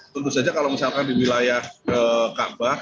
tentu saja kalau misalkan di wilayah kaabah